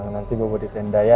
nanti bubur di tenda ya